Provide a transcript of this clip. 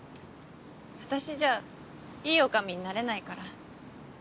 私じゃいいおかみになれないから。